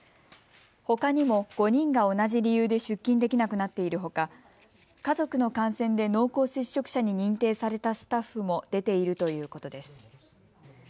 ほかにも５人が同じ理由で出勤できなくなっているほか家族の感染で濃厚接触者に認定されたスタッフも出ているということです。